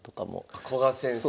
あ古賀先生。